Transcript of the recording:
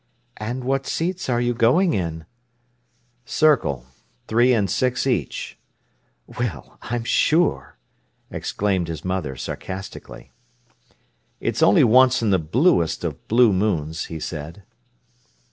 "And what seats are you going in?" "Circle—three and six each!" "Well, I'm sure!" exclaimed his mother sarcastically. "It's only once in the bluest of blue moons," he said.